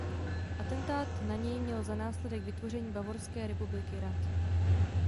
Atentát na něj měl za následek vytvoření Bavorské republiky rad.